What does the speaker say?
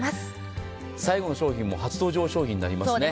最後の商品も初登場商品となります。